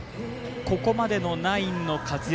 ここまでのナインの活躍